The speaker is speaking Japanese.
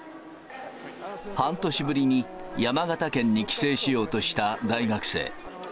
半年ぶりに山形県に帰省しようとした大学生。